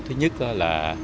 thứ nhất là